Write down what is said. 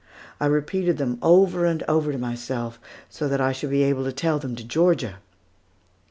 I repeated them over and over to myself, so that I should be able to tell them to Georgia.